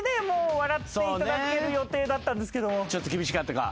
ちょっと厳しかったか？